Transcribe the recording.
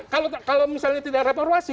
kalau misalnya tidak reformasi